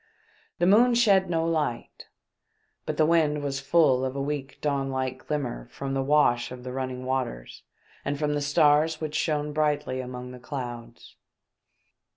The moon shed no light ; but the wind was full of a weak dawn like glimmer from the wash of the running waters and from the stars which shone brightly among the clouds.